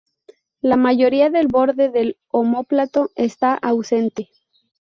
La mayoría del borde del omóplato está ausente.